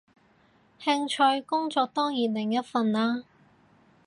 興趣，工作當然另一份啦